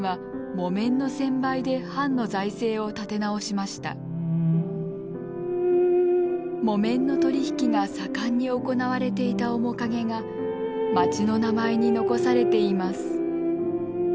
木綿の取り引きが盛んに行われていた面影が町の名前に残されています。